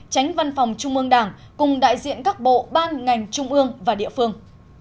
tránh văn phòng trung ương đảng cùng đại diện các bộ ban ngành trung ương và địa phương